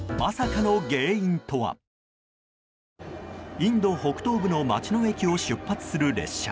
インド北東部の街の駅を出発する列車。